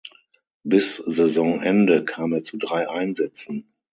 Bis Saisonende kam er zu drei Einsätzen.